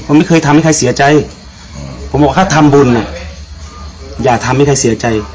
ผมไม่เคยทำให้ใครเสียใจผมบอกถ้าทำบุญอ่ะอย่าทำให้ใครเสียใจ